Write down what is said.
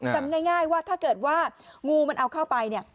จำง่ายว่าถ้าเกิดว่างูมันเอาเข้าไปเนี่ย